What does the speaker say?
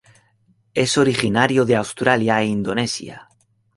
Es originario de Australia e Indonesia.